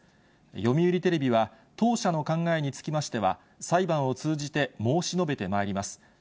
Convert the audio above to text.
読売テレビは、当社の考えにつきましては、裁判を通じて申し述べてまいります。